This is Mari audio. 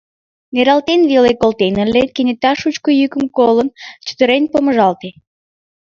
Нералтен веле колтен ыле, кенета, шучко йӱкым колын, чытырен помыжалте.